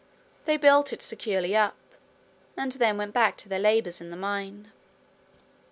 They built it securely up, and then went back to their labours in the mine.